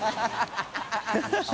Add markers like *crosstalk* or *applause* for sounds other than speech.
ハハハ *laughs*